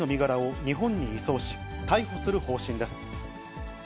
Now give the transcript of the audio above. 警視庁は、近く、１９人の身柄を日本に移送し、逮捕する方針です。